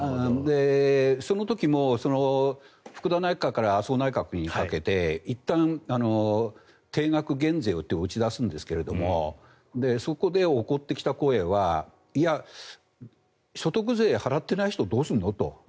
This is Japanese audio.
その時も福田内閣から麻生内閣にかけていったん、定額減税を打ち出すんですけどそこで起こってきた声はいや、所得税を払っていない人どうするのと。